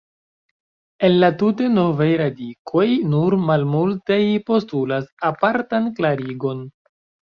El la tute novaj radikoj, nur malmultaj postulas apartan klarigon.